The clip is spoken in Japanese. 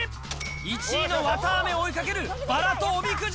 １位の綿あめを追いかけるバラとおみくじ。